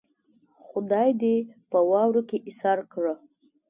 خدای دې په واورو کې ايسار کړه.